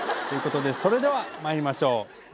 という事でそれではまいりましょう。